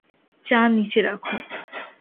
চা নিচে রাখ।